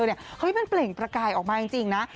เขายังเป็นเปล่งประกายออกมาจริงนะ